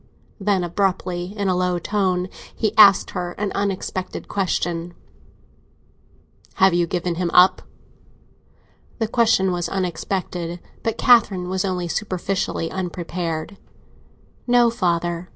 Then, abruptly, in a low tone, he asked her an unexpected question: "Have you given him up?" The question was unexpected, but Catherine was only superficially unprepared. "No, father!"